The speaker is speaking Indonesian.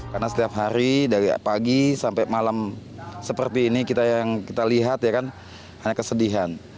karena setiap hari dari pagi sampai malam seperti ini kita yang kita lihat ya kan hanya kesedihan